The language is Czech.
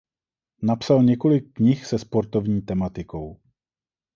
Napsal několik knih se sportovní tematikou.